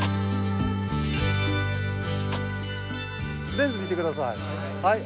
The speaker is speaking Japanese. レンズ見てください。